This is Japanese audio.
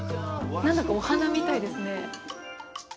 何だかお花みたいですね。